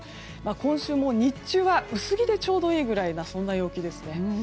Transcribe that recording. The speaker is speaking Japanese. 今週も日中は薄着でちょうどいいくらいなそんな陽気ですね。